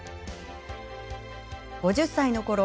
５０歳のころ